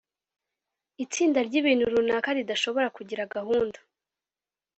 itsinda ry ibintu runaka ridashobora kugira gahunda